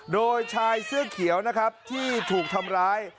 โดยชายเสื้อเขียวนะครับที่ถูกทำร้าย